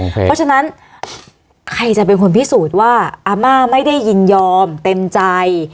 เพราะฉะนั้นใครจะเป็นคนพิสูจน์ว่าอาม่าไม่ได้ยินยอมเต็มใจ